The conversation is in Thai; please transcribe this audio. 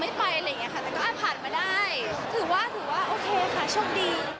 แต่ก็อ่าผันมาได้ถือว่าถือว่าโอเคค่ะโชคดี